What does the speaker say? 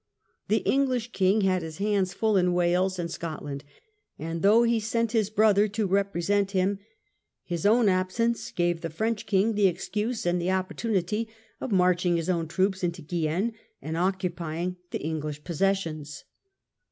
The English King had his hands full in Wales and Scotland, and though he sent his brother to represent him, his absence gave the French King the excuse and the opportunity of marching his own troops into Guienne and occupying the English possessions.